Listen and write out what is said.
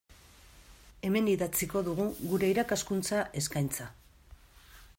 Hemen idatziko dugu gure irakaskuntza eskaintza.